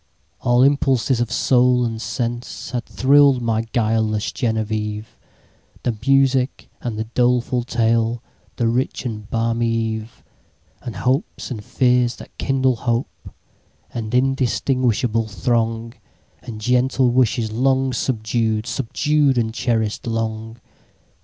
All impulses of soul and senseHad thrill'd my guileless Genevieve; The music and the doleful tale, The rich and balmy eve; And hopes, and fears that kindle hope, An undistinguishable throng, And gentle wishes long subdued, Subdued and cherish'd long!